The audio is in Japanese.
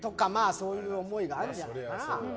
そういう思いがあるんじゃないかな。